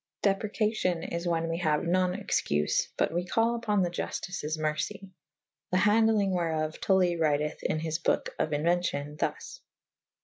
Deprecacio// is wha« we haue non excufe : but we call vpon the ^ Jultices mercy. The handelynge wherof Tully wryteth in his boke of inuencion thus.